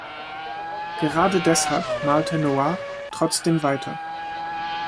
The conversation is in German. Gerade deshalb malte Noir trotzdem weiter.